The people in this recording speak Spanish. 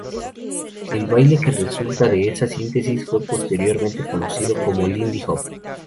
El baile que resultaría de esa síntesis fue posteriormente conocido como Lindy Hop.